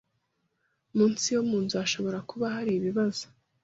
Munsi yo munzu hashobora kuba hari ibibazo.